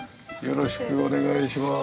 よろしくお願いします。